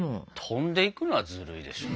飛んでいくのはずるいでしょ。